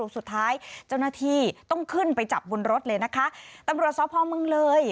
สุดท้ายเจ้าหน้าที่ต้องขึ้นไปจับบนรถเลยนะคะตำรวจสพเมืองเลย